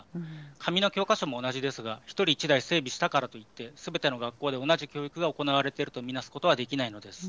紙の教科書も同じですが、１人１台整備したからといって、すべての学校で同じ教育が行われていると見なすことはできないのです。